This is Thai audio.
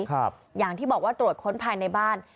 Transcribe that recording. อย่างที่บอกว่าตรวจค้นภายในบ้าน